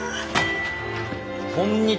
こんにちは。